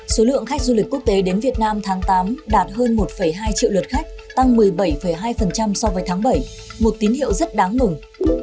số lượng khách du lịch quốc tế đến việt nam tháng tám đạt hơn một hai triệu lượt khách tăng một mươi bảy hai so với tháng bảy một tín hiệu rất đáng mừng